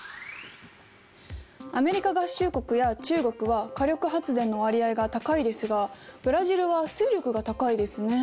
アメリカ合衆国や中国は火力発電の割合が高いですがブラジルは水力が高いですね。